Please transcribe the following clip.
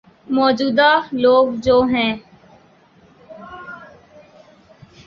موجود ہ لوگ جو ہیں۔